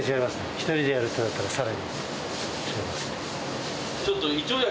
１人でやるってなったらさらに。